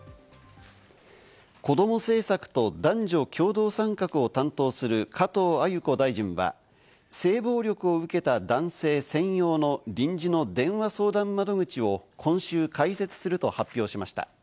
子ども政策と男女共同参画を担当する加藤鮎子大臣は、性暴力を受けた男性専用の臨時の電話相談窓口を今週、開設すると発表しました。